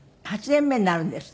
８年目なんです。